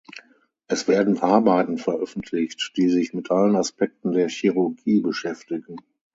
Es werden Arbeiten veröffentlicht, die sich mit allen Aspekten der Chirurgie beschäftigen.